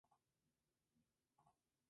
La final tuvo lugar durante la tercera noche.